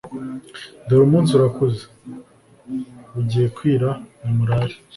dore umunsi urakuze, bugiye kwira; nimurare